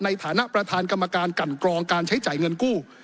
ในฐานะประธานกรรมการกันกรองการใช้จ่ายเงินกู้